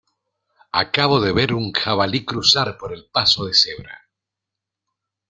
Acabo de ver un jabalí cruzar por el paso de cebra.